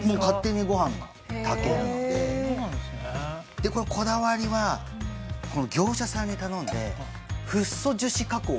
でこのこだわりは業者さんに頼んでフッ素樹脂加工をしてもらったんです。